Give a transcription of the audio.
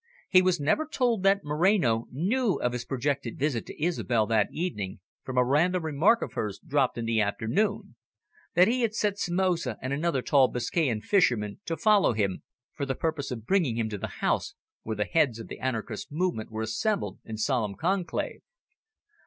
He was never told that Moreno knew of his projected visit to Isobel that evening, from a random remark of hers dropped in the afternoon that he had set Somoza and another tall Biscayan fisherman to follow him, for the purpose of bringing him to the house where the heads of the anarchist movement were assembled in solemn conclave.